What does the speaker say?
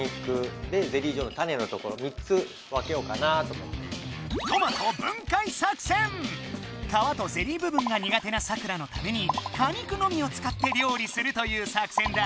そしたらね皮とゼリー部分が苦手なサクラのために果肉のみをつかって料理するという作戦だ。